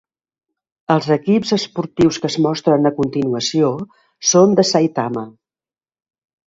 Els equips esportius que es mostren a continuació són de Saitama.